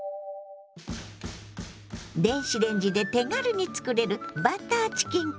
電子レンジで手軽につくれる「バターチキンカレー」。